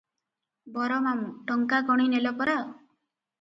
ବର ମାମୁ- ଟଙ୍କା ଗଣି ନେଲ ପରା?